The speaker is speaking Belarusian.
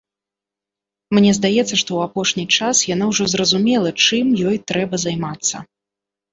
Мне здаецца, што ў апошні час яна ўжо зразумела, чым ёй трэба займацца.